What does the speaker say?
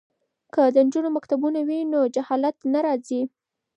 که د نجونو مکتبونه وي نو جهالت نه راځي.